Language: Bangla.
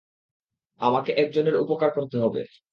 আমাকে একজনের উপকার করতে হবে।